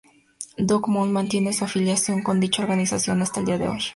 McDowell mantiene su afiliación con dicha organización hasta el día de hoy.